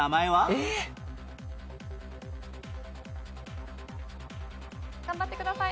えっ！？頑張ってください。